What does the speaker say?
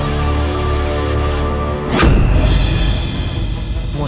tapi aku tidak bisa membunuhku